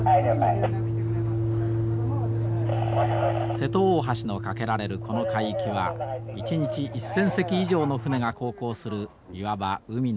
瀬戸大橋の架けられるこの海域は一日１，０００隻以上の船が航行するいわば海の銀座。